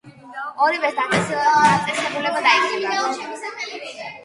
ორივე დაწესებულება დაიხურა.